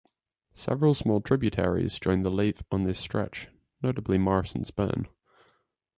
Several small tributaries join the Leith on this stretch, notably Morrison's Burn.